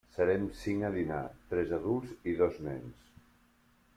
Serem cinc a dinar, tres adults i dos nens.